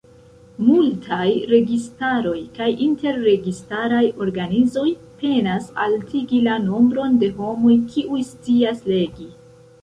Multaj registaroj kaj inter-registaraj organizoj penas altigi la nombron de homoj kiuj scias legi.